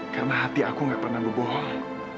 karena hati aku gak pernah berbohong